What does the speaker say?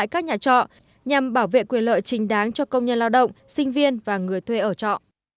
các nhà trọ nhằm bảo vệ quyền lợi trình đáng cho công nhân lao động sinh viên và người thuê ở trọ